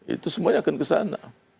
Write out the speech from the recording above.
itu semuanya akan kesana